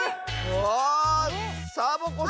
あっサボ子さん。